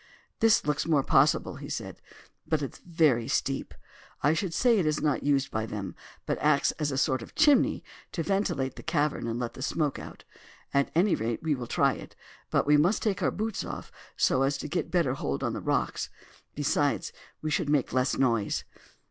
"This looks more possible," he said; "but it's very steep. I should say it is not used by them, but acts as a sort of chimney to ventilate the cavern and let the smoke out. At any rate we will try it; but we must take our boots off so as to get a better hold on the rocks, besides we shall make less noise.